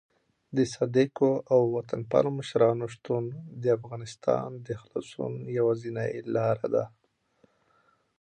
د صادقو او وطن پالو مشرانو شتون د افغانستان د خلاصون یوازینۍ لاره ده.